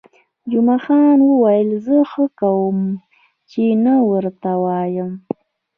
جمعه خان وویل: زه ښه کوم، چې نه ورته وایم.